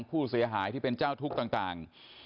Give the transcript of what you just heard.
ผู้เสียหายที่เป็นเจ้าทุกข์ต่าง